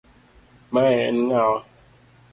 Mae en ng'awa .